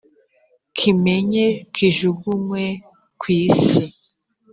kimenye kijugunywe ku isi,